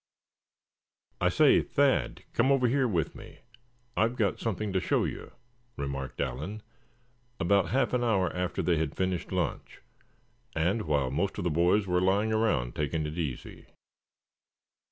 "I say, Thad, come over here with me; I've got something to show you," remarked Allan, about half an hour after they had finished lunch, and while most of the boys were lying around, taking it easy.